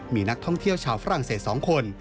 มีนักท่องเที่ยวชาวฝรั่งเศส๒คน